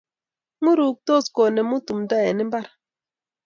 Nguruktos konemu tumto eng mbar